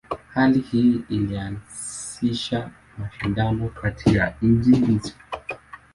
Hali hii ilianzisha mashindano kati ya nchi hizo.